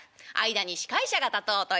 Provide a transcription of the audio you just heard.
間に司会者が立とうという。